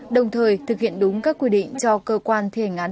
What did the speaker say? đồng thời thực hiện đúng các quy định cho cơ quan thi hành án